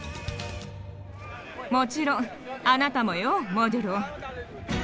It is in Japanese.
もちろんあなたもよモドゥロー。